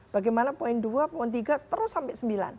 bagaimana poin dua poin tiga terus sampai sembilan